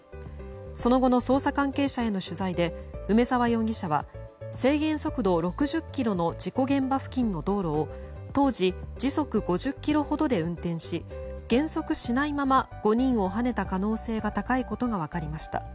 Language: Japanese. その後の捜査関係者への取材で梅沢容疑者は制限速度６０キロの事故現場付近の道路を当時、時速５０キロほどで運転し減速しないまま５人をはねた可能性が高いことが分かりました。